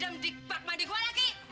anggur gini buah